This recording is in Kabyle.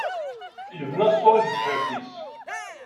Yebna ṣṣuṛ i tebḥirt-is.